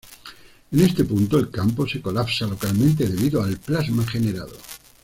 En este punto, el campo se colapsa localmente debido al plasma generado.